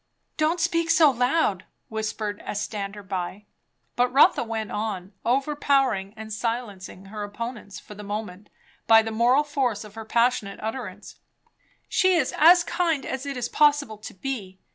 "Don't speak so loud!" whispered a stander by; but Sotha went on, overpowering and silencing her opponents for the moment by the moral force of her passionate utterance, "She is as kind as it is possible to be.